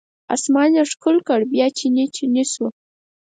اسمان یې ښکل کړ بیا چینې، چینې شوه